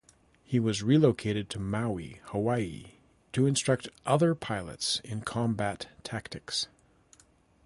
He was relocated to Maui, Hawaii, to instruct other pilots in combat tactics.